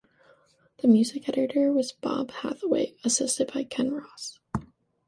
The music editor was Bob Hathaway, assisted by Ken Ross.